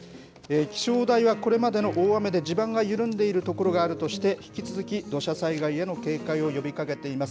気象台はこれまでの大雨で地盤が緩んでいる所があるとして、引き続き土砂災害への警戒を呼びかけています。